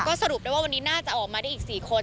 ก็สรุปได้ว่าวันนี้น่าจะออกมาได้อีก๔คน